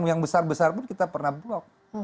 yang besar besar pun kita pernah blok